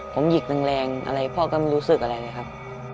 ผมหยิกแรงอะไรพ่อก็ไม่รู้สึกอะไรเลยครับ